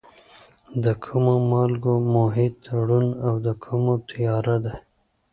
د کومو مالګو محیط روڼ او د کومو تیاره دی؟